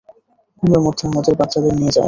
ঘুমের মধ্যে আমাদের বাচ্চাদের নিয়ে যায়।